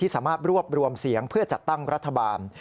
สามารถรวบรวมเสียงเพื่อจัดตั้งรัฐบาล